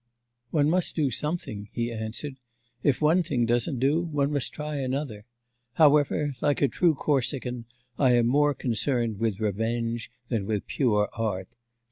'One must do something,' he answered. 'If one thing doesn't do, one must try another. However, like a true Corsican, I am more concerned with revenge than with pure art.